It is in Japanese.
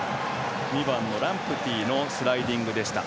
２番のランプティのスライディングでした。